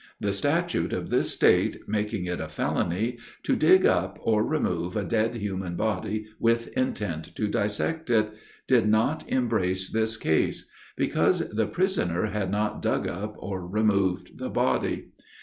The statute of this state making it a felony, to dig up or remove a dead human body with intent to dissect it, did not embrace this case; because the prisoner had not dug up or removed the body.